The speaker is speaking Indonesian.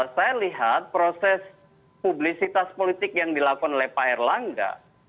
saya lihat proses publisitas politik yang dilakukan oleh pak erlangga